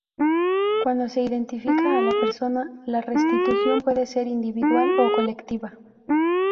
Cuando se identifica a la persona, la restitución puede ser individual o colectiva.